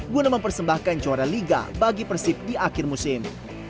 guna mempersembahkan juara liga bagi persib di akhir musim